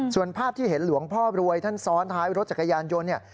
ส่วนภาพที่เห็นหลวงพ่อรวยท่านซ้อนท้ายรถจักรยานยนต์เนี่ย